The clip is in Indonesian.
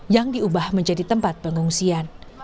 yang diubah menjadi tempat pengungsian